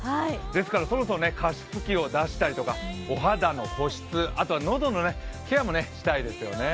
ですからそろそろ、加湿器を出したりとか、お肌の保湿あとは喉のケアもしたいですね。